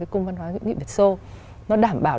cung văn hóa dự định việt xô nó đảm bảo